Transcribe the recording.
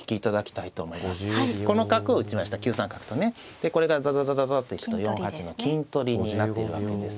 でこれがダダダダダッと行くと４八の金取りになっているわけです。